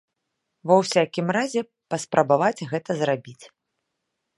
Ва ўсякім разе паспрабаваць гэта зрабіць.